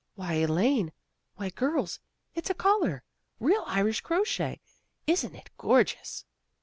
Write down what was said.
" Why, Elaine! Why, girls! It's a collar. Real Irish crochet! Isn't it gorgeous